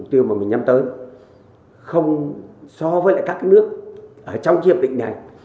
điều mà mình nhắm tới không so với lại các cái nước ở trong cái hợp định này